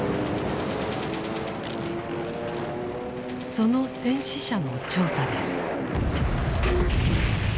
その戦死者の調査です。